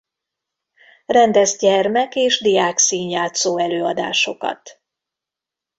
Rendez gyermek- és diákszínjátszó előadásokat.